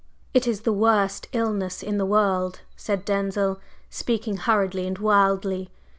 "It is the worst illness in the world," said Denzil, speaking hurriedly and wildly.